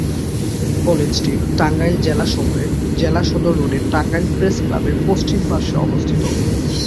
কলেজটি টাঙ্গাইল জেলা শহরের জেলা সদর রোডে টাঙ্গাইল প্রেস ক্লাবের পশ্চিম পার্শ্বে অবস্থিত।